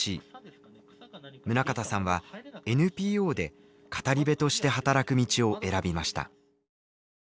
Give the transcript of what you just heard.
宗像さんはＮＰＯで語り部として働く道を選びました。